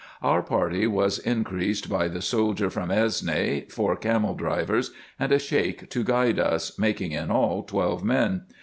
Our party was increased by the soldier from Esne, four camel drivers, and a Sheik to guide us, making in all twelve men.